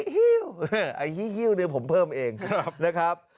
ฮิ้วไอ้หิ้วเนี่ยผมเพิ่มเองนะครับ